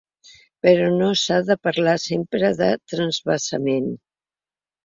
Però no s’ha de parlar sempre de transvasament.